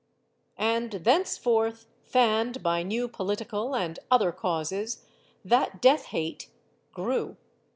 And thenceforth, fanned by new political and other causes, that death hate grew.